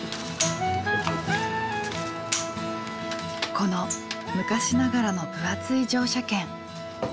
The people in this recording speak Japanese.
この昔ながらの分厚い乗車券。